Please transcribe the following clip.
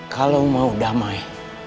kalau mau damai